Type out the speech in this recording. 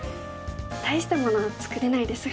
大したもの作れないですが。